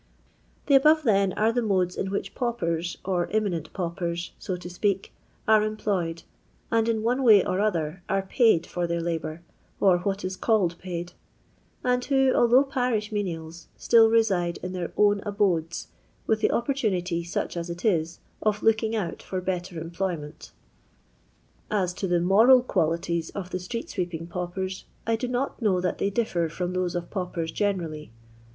The above, then, are the modes in which paupers, or inmiinent paupers, so to speak, ore employed, and in one way or other are liald for their liJiour, or what is called paid, and who, although parish menials, still reside in their own abodes, with the opportunity, such as it is, of "looking out" for better employment As to the moral qwUititi qf the ttreU neeeping pauptrt I do not know that they differ from those of paupers generally.